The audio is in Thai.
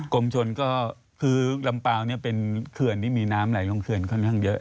กรมชนก็คือลำเปล่าเนี่ยเป็นเขื่อนที่มีน้ำไหลลงเขื่อนค่อนข้างเยอะ